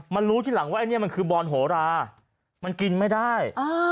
รู้ทีหลังว่าไอ้นี่มันคือบอนโหรามันกินไม่ได้